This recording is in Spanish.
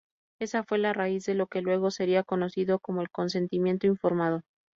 Esa fue la raíz de lo que luego sería conocido como el consentimiento informado.